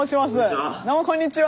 こんにちは。